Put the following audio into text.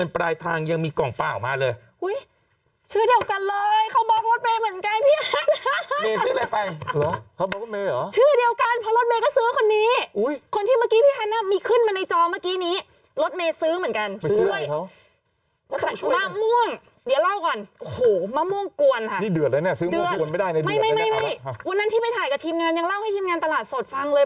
วันนั้นที่ไปถ่ายกับทีมงานยังเล่าให้ทีมงานตลาดสดฟังเลย